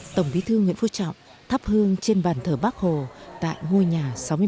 tổng bí thư nguyễn phú trọng thắp hương trên bàn thờ bác hồ tại ngôi nhà sáu mươi năm